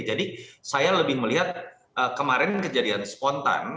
jadi saya lebih melihat kemarin kejadian spontan